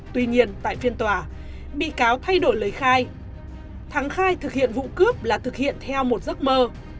tuy nhiên tại phiên tòa bị cáo thay đổi lời khai thắng khai thực hiện vụ cướp là thực hiện theo một giấc mơ